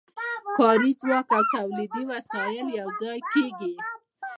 کاري ځواک او تولیدي وسایل یوځای کېږي